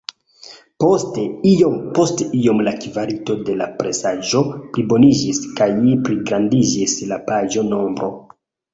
Poste, iom-post-iom la kvalito de la presaĵo pliboniĝis, kaj pligrandiĝis la paĝo-nombro.